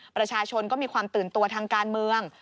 ประชาชนก็มีความตื่นตัวทางการเมือง